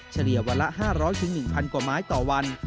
เฉลี่ยวันละ๕๐๐๑๐๐กว่าไม้ต่อวัน